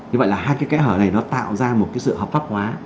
như vậy là hai cái khai hỏa này nó tạo ra một sự hợp pháp hóa